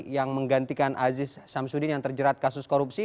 yang menggantikan aziz samsudin yang terjerat kasus korupsi